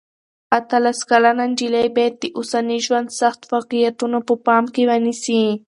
اتلس کلنه نجلۍ باید د اوسني ژوند سخت واقعیتونه په پام کې ونیسي.